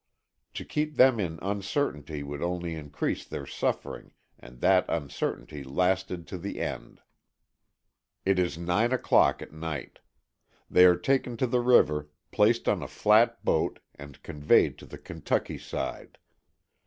To keep them in uncertainty would only increase their suffering and that uncertainty lasted to the end. It is nine o'clock at night. They are taken to the river, placed on a flat boat and conveyed to the Kentucky side.